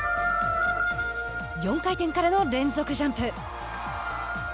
４回転からの連続ジャンプ。